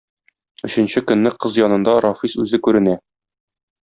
Өченче көнне кыз янында Рафис үзе күренә.